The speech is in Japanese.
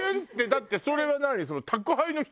だってそれは何？